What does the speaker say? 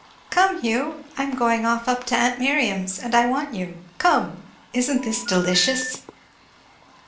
"Come, Hugh! I'm going off up to aunt Miriam's, and I want you. Come! Isn't this delicious?"